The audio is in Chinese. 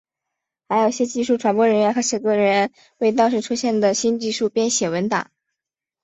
还有些技术传播人员和写作人员为当时出现的新技术编写文档。